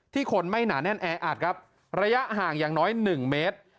คนไม่หนาแน่นแออัดครับระยะห่างอย่างน้อย๑เมตร